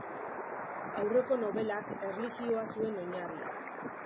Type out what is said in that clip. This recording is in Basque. Aurreko nobelak erlijioa zuen oinarri.